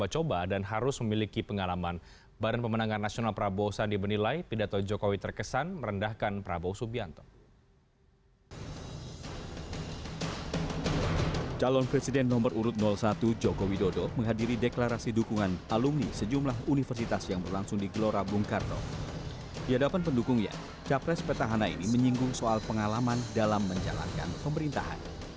capres petahana ini menyinggung soal pengalaman dalam menjalankan pemerintahan